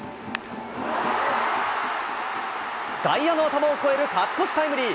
外野の頭をこえる勝ち越しタイムリー。